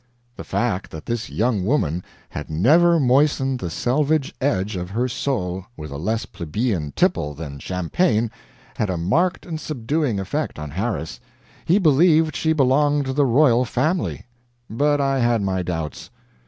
The fact that this young woman had never moistened the selvedge edge of her soul with a less plebeian tipple than champagne, had a marked and subduing effect on Harris. He believed she belonged to the royal family. But I had my doubts.